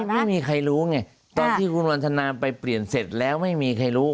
ไม่มีใครรู้ไงตอนที่คุณวันทนาไปเปลี่ยนเสร็จแล้วไม่มีใครรู้